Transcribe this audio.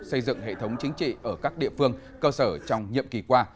xây dựng hệ thống chính trị ở các địa phương cơ sở trong nhiệm kỳ qua